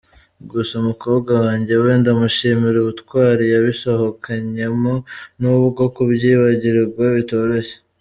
Gusa umukobwa wanjye we ndamushimira ubutwari yabisohokanyemo n’ubwo kubyibagirwa bitoroshye.